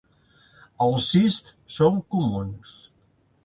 Els cists són comuns.